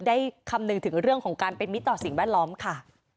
คำนึงถึงเรื่องของการเป็นมิตรต่อสิ่งแวดล้อมค่ะ